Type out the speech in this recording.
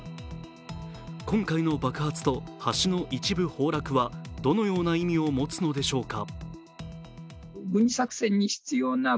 今回の爆発と橋の一部崩落はどのような意味を持つのでしょうか。